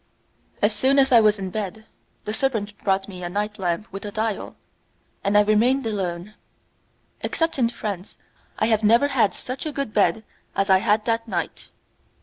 As soon as I was in bed, the servant brought me a night lamp with a dial, and I remained alone. Except in France I have never had such a good bed as I had that night.